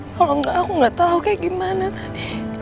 kalo enggak aku gak tau kayak gimana tadi